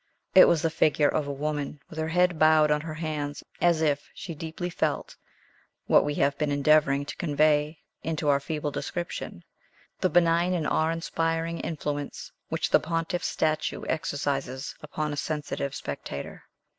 It was the figure of a woman, with her head bowed on her hands, as if she deeply felt what we have been endeavoring to convey into our feeble description the benign and awe inspiring influence which the pontiff's statue exercises upon a sensitive spectator.